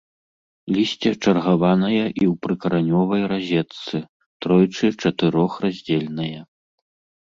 Лісце чаргаванае і ў прыкаранёвай разетцы, тройчы-чатырохраздзельнае.